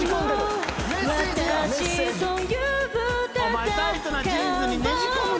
お前タイトなジーンズにねじ込むなって。